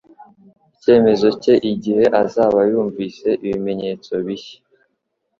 icyemezo cye igihe azaba yumvise ibimenyetso bishya